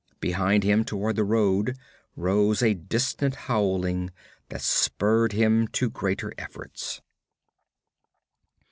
Behind him, toward the road, rose a distant howling that spurred him to greater efforts.